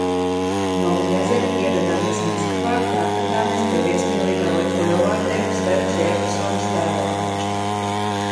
No Grjaziem ieradāmies Maskavā, kur apmetāmies pie viesmīlīgā lielvārdietes Veras Jēkabsones tēvoča.